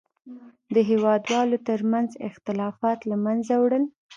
د هېوادوالو تر منځ اختلافاتو له منځه وړل.